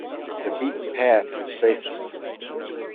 The beaten path is safest.